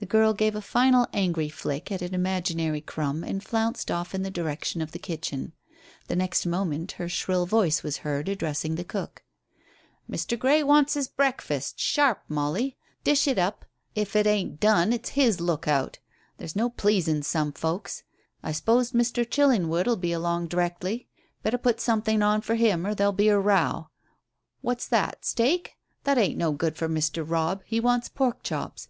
The girl gave a final angry flick at an imaginary crumb and flounced off in the direction of the kitchen. The next moment her shrill voice was heard addressing the cook. "Mr. Grey wants his breakfast sharp, Molly. Dish it up. If it ain't done it's his look out. There's no pleasing some folks. I s'pose Mr. Chillingwood'll be along d'rectly. Better put something on for him or there'll be a row. What's that steak? That ain't no good for Mr. Robb. He wants pork chops.